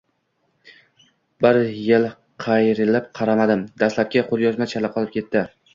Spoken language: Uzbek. Bir yil qayrilib qaramadim, dastlabki qo‘lyozma chala qolib ketdi